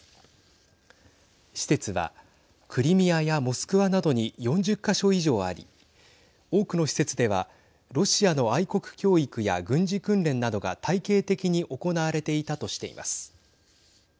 施設はクリミアやモスクワなどに４０か所以上あり多くの施設ではロシアの愛国教育や軍事訓練などが体系的に行われていたとしています。